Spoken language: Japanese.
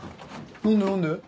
何で何で？